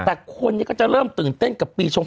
แต่คนนี้ก็จะเริ่มตื่นเต้นกับปีชง